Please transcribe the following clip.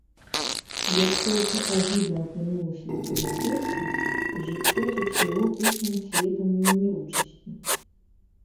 Як толькі агіда апынулася ў табакерцы, жыццё зацвіло пышным цветам неўміручасці.